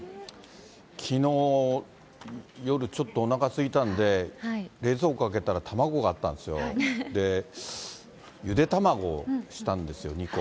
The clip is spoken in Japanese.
きのう夜ちょっと、おなかすいたんで、冷蔵庫開けたら、卵があったんですよ、ゆで卵をしたんですよ、２個。